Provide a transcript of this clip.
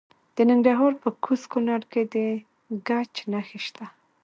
د ننګرهار په کوز کونړ کې د ګچ نښې شته.